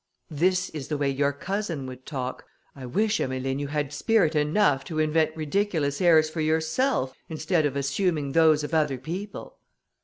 "This is the way your cousin would talk: I wish, Emmeline, you had spirit enough to invent ridiculous airs for yourself, instead of assuming those of other people."